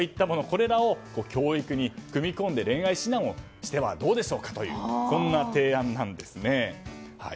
これらを教育に組み込んで恋愛指南をしてはどうでしょうかというそんな提案なんですね。